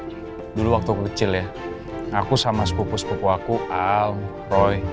di vilanya tuh dulu waktu aku kecil ya aku sama sepupu sepupu aku al roy